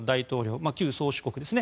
まあ、旧宗主国ですね。